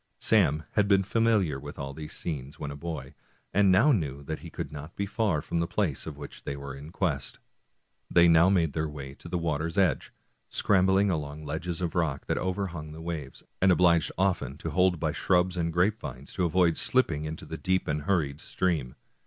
Sam had been fa miliar with all these scenes when a boy, and now knew that he could not be far from the place of which they were in quest. They now made their way to the water's edge, scrambling along ledges of rocks that overhung the waves, and obliged often to hold by shrubs and grapevines to avoid slipping into the deep and hurried stream.